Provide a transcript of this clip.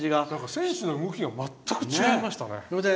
選手の動きが全く違いましたね。